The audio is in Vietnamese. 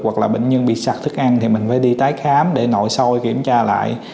hoặc là bệnh nhân bị sạc thức ăn thì mình phải đi tái khám để nội soi kiểm tra lại